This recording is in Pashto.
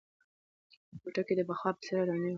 کوټه کې د پخوا په څېر ارامي وه.